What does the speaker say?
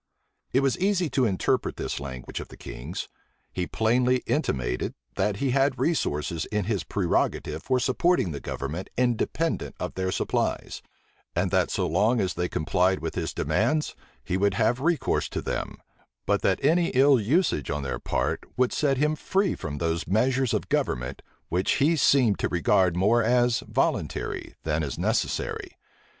It was easy to interpret this language of the king's. He plainly intimated, that he had resources in his prerogative for supporting the government independent of their supplies; and that, so long as they complied with his demands, he would have recourse to them; but that any ill usage on their part would set him free from those measures of government, which he seemed to regard more as voluntary than as necessary.